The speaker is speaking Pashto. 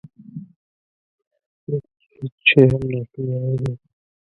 ځکه چې هیڅ شی هم ناشونی ندی.